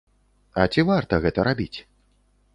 А ці варта гэта рабіць?